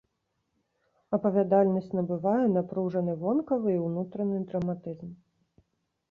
Апавядальнасць набывае напружаны вонкавы і ўнутраны драматызм.